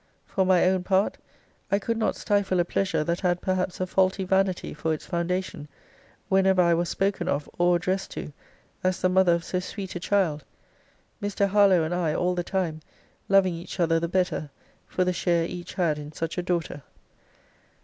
For my own part, I could not stifle a pleasure that had perhaps a faulty vanity for its foundation, whenever I was spoken of, or addressed to, as the mother of so sweet a child: Mr. Harlowe and I, all the time, loving each other the better for the share each had in such a daughter.